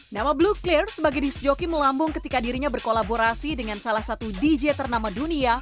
nama blue clear sebagai disc jockey melambung ketika dirinya berkolaborasi dengan salah satu dj ternama dunia